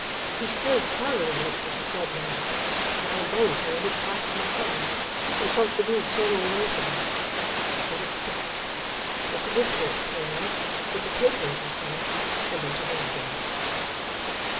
He so thoroughly meant what he said now that I involuntarily clasped my hands and felt the room turning away from me. But it stopped. Mr. Woodcourt came in, put a paper into his hand, and went away again.